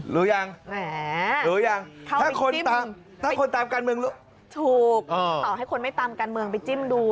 รู้ยังถ้าคนตามการเมืองรู้ถูกขอให้คนไม่ตามการเมืองไปจิ้มดู